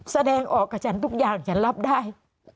แสดงออกกับฉันทุกอย่างฉันรับได้